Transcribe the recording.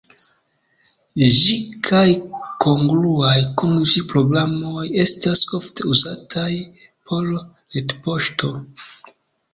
Ĝi kaj kongruaj kun ĝi programoj estas ofte uzataj por retpoŝto.